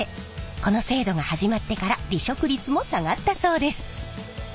この制度が始まってから離職率も下がったそうです。